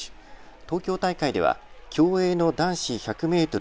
東京大会では競泳の男子１００メートル